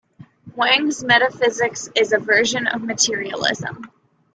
Wang's metaphysics is a version of materialism.